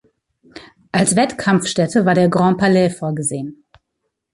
Als Wettkampfstätte war der Grand Palais vorgesehen.